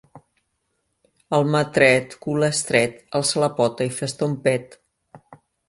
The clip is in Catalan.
Almatret, cul estret: alça la pota i fes-te un pet.